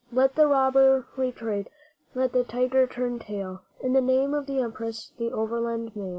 Let the robber retreat let the tiger turn tail In the Name of the Empress, the Overland Mail!